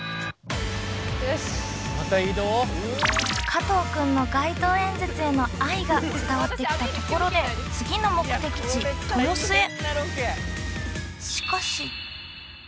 加藤くんの街頭演説への愛が伝わってきたところで次の目的地豊洲へ。